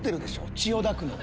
千代田区の。